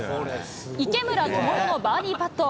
池村寛世のバーディーパット。